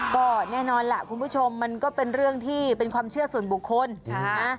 ก็แน่นอนล่ะคุณผู้ชมมันก็เป็นเรื่องที่เป็นความเชื่อส่วนบุคคลนะ